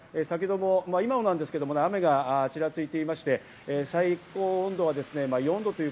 先ほども今もですけれども雨がちらついていまして、最高温度は４度。